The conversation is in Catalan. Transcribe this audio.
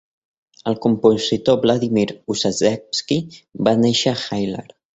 El compositor Vladimir Ussachevsky va néixer a Hailar.